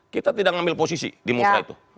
kita tidak ngambil posisi di musrah itu